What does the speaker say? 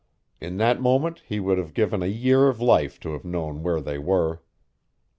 In that moment he would have given a year of life to have known where they were.